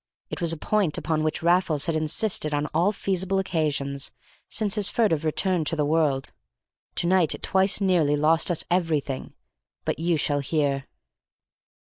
It was a point upon which Raffles had insisted on all feasible occasions since his furtive return to the world. To night it twice nearly lost us everything—but you shall hear.